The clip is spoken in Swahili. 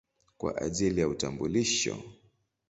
kwa ajili ya utambulisho.